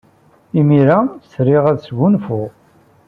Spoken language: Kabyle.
Imir-a, sriɣ ad sgunfuɣ.